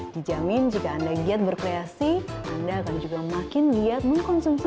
dijamin jika anda giat berkreasi anda akan juga makin giat mengkonsumsi